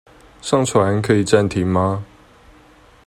上傳可以暫停嗎？